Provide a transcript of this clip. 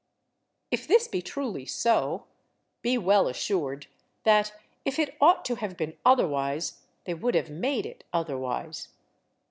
If this be truly so, be well assured that, if it ought to have been otherwise they would have made it otherwise.